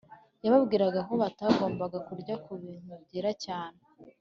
yababwiye ko batagombaga kurya ku bintu byera cyane